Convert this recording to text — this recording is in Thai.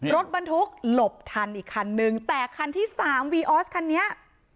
รถบรรทุกหลบทันอีกคันนึงแต่คันที่สามวีออสคันนี้